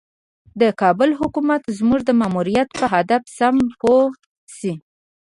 د کابل حکومت زموږ د ماموریت په هدف سم پوه شي.